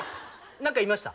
何か言いました？